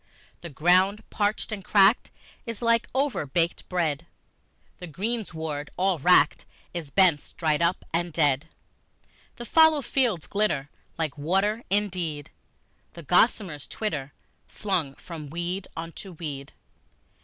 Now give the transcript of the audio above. The ground parched and cracked is like overbaked bread, The greensward all wracked is, bents dried up and dead. The fallow fields glitter like water indeed, And gossamers twitter, flung from weed unto weed.